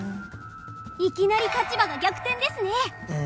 いきなり立場が逆転ですね。